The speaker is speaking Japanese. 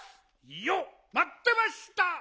いよっまってました！